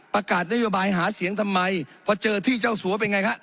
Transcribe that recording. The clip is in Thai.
ประกาศนโยบายหาเสียงทำไมพอเจอที่เจ้าสัวเป็นไงฮะ